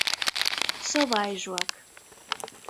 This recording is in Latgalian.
Sovaižuok.